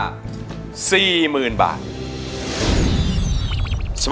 จะใช้หรือไม่ใช้ครับ